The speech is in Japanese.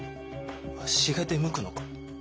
わしが出向くのか？